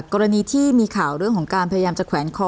กรณีที่มีข่าวเรื่องของการพยายามจะแขวนคอ